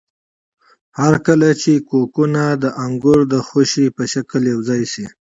هرکله چې کوکونه د انګور د خوشې په شکل یوځای شي.